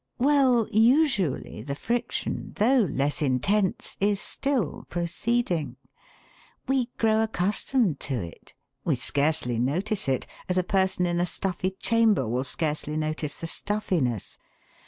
Well, usually, the friction, though less intense, is still proceeding. We grow accustomed to it. We scarcely notice it, as a person in a stuffy chamber will scarcely notice the stuffiness.